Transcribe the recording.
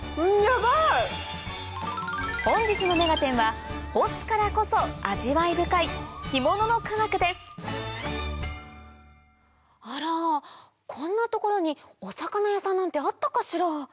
本日の『目がテン！』は干すからこそ味わい深いあらこんな所にお魚屋さんなんてあったかしら？